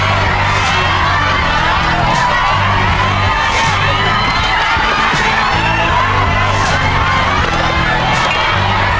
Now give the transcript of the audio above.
อีกถ้วยนึงฝั่งนี้ก็จะได้แล้ว